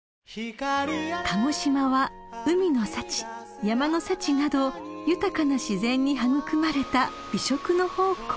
［鹿児島は海の幸山の幸など豊かな自然に育まれた美食の宝庫］